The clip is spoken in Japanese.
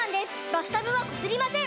バスタブはこすりません！